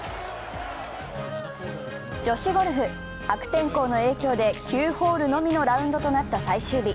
女子ゴルフ、悪天候の影響で９ホールのみのラウンドとなった最終日。